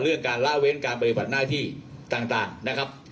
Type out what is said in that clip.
เรื่องการละเว้นการบริผัสหน้าที่ต่างนะครับ